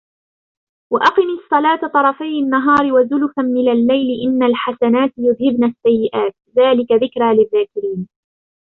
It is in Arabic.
وأقم الصلاة طرفي النهار وزلفا من الليل إن الحسنات يذهبن السيئات ذلك ذكرى للذاكرين